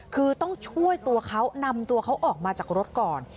คือต้องช่วยตัวเขานำตัวเขาออกมาจากรถก่อน